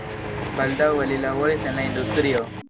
Baldaŭe li laboris en la industrio.